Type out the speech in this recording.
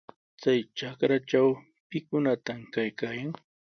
Chay trakratraw, ¿pikunataq kaykaayan?